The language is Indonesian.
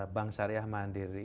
bank syariah mandiri